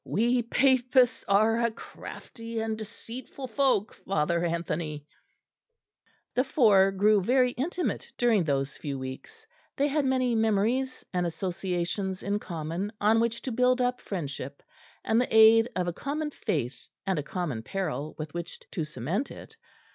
We Papists are a crafty and deceitful folk, Father Anthony." The four grew very intimate during those few weeks; they had many memories and associations in common on which to build up friendship, and the aid of a common faith and a common peril with which to cement it.